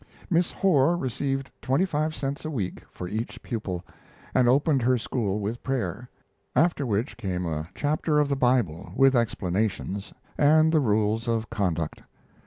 Miss Horr received twenty five cents a week for each pupil, and opened her school with prayer; after which came a chapter of the Bible, with explanations, and the rules of conduct.